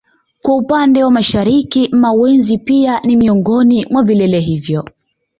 Kwa upande wa mashariki Mawenzi pia ni miongoni mwa vilele hivyo